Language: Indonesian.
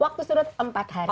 waktu surut empat hari